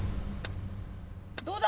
どうだ？